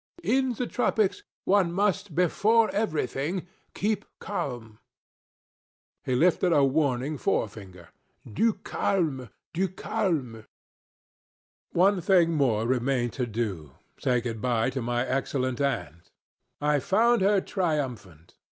In the tropics one must before everything keep calm.' ... He lifted a warning forefinger. ... 'Du calme, du calme. Adieu.' "One thing more remained to do say good by to my excellent aunt. I found her triumphant.